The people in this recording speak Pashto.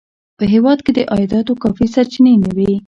په هېواد کې د عایداتو کافي سرچینې نه وې.